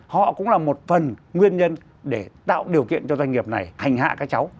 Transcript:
họ cũng là một phần nguyên nhân để tạo điều kiện cho doanh nghiệp này hành hạ các cháu